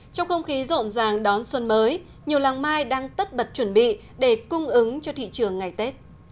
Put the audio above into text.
trong không khí rộn ràng đón xuân mới nhiều làng mai đang tất bật chuẩn bị để cung ứng cho thị trường ngày tết